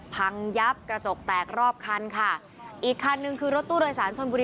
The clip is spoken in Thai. พังยับกระจกแตกรอบคันค่ะอีกคันหนึ่งคือรถตู้โดยสารชนบุรี